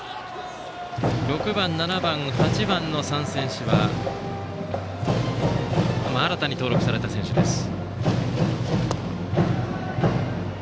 ６番、７番、８番の３選手は新たに登録された選手です。